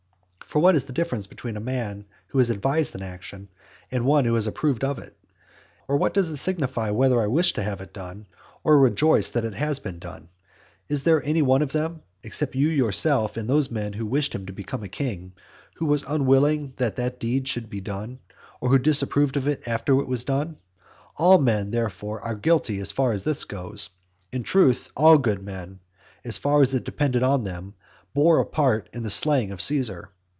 For what is the difference between a man who has advised an action, and one who has approved of it? or what does it signify whether I wished it to be done, or rejoice that it has been done? Is there any one then, except you yourself and those men who wished him to become a king, who was unwilling that that deed should be done, or who disapproved of it after it was done? All men, therefore, are guilty as far as this goes. In truth, all good men, as far as it depended on them, bore a part in the slaying of Caesar.